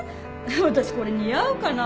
私これ似合うかな？